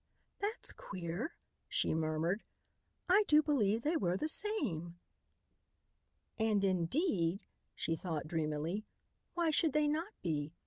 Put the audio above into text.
"That's queer!" she murmured. "I do believe they were the same!" "And indeed," she thought dreamily, "why should they not be?